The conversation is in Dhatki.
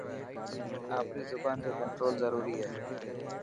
آپري زبان تي ڪنٽرول ضروري هي.